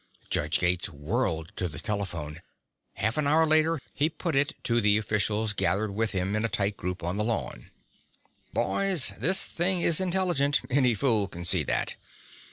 Judge Gates whirled to the telephone. Half an hour later, he put it to the officials gathered with him in a tight group on the lawn. "Boys, this thing is intelligent; any fool can see that.